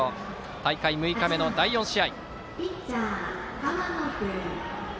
大会６日目の第４試合。